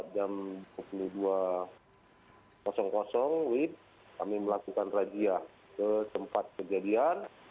jam dua puluh dua wib kami melakukan rajia ke tempat kejadian